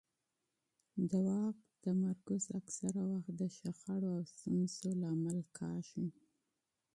د واک تمرکز اکثره وخت د شخړو او ستونزو سبب ګرځي